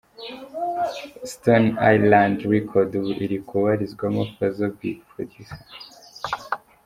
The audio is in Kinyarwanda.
Stone Island Record ubu iri kubarizwamo Fazzo Big Producer .